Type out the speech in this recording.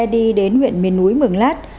đi đến huyện miền núi mường lát